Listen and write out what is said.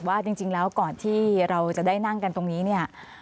ว่าจริงแล้วก่อนที่เราจะได้นั่งกันตรงนี้เนี่ย